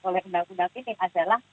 oleh undang undang ini adalah